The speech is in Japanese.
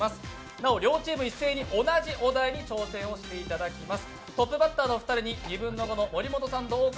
なお両チーム一斉に同じお題に挑戦していただきます。